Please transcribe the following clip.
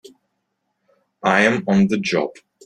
I'm on the job!